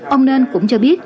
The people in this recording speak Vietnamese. ông nên cũng cho biết